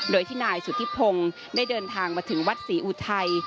โดยที่นายสุธิพงศ์ได้เดินทางมาถึงวัดศรีอุทัย